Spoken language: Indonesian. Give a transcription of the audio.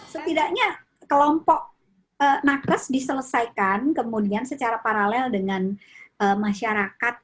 setidaknya kelompok nakres diselesaikan kemudian secara paralel dengan masyarakat